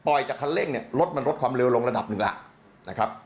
ปล่อยจากคันเร่งรถมันลดความเร็วลงระดับหนึ่งละ